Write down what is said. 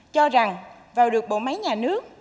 cho rằng vào được bộ máy nhà nước